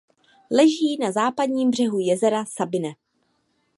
Leží na západním břehu jezera Sabine.